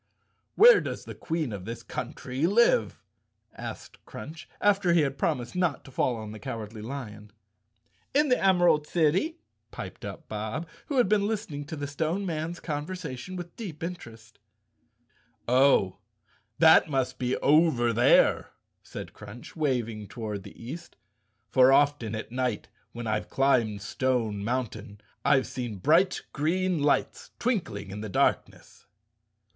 "Where does the Queen of this country live?" asked Crunch, after he had promised not to fall on the Cow¬ ardly Lion. "In the Emerald City," piped up Bob, who had been listening to the Stone Man's conversation with deep interest. 226 The Cowardly Lion of Oz " Oh, that must be over there," said Crunch, waving toward the east, " for often at night, when I've climbed Stone Mountain, I've seen bright green lights twinkling in the darkness."